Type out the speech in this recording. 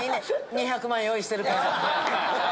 ２００万円用意してるから。